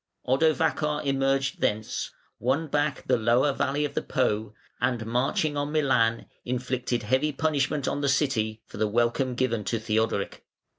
Odovacar emerged thence, won back the lower valley of the Po, and marching on Milan, inflicted heavy punishment on the city, for the welcome given to Theodoric.